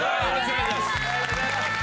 お願いしまーす！